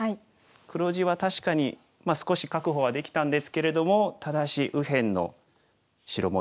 黒地は確かに少し確保はできたんですけれどもただし右辺の白模様